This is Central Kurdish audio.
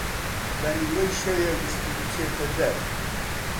بە نیوەی شەوێ ویستی بچێتە دەر